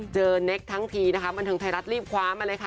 เจอเนคทั้งทีบันทึงไทยรัฐรีบคว้ามาเลยค่ะ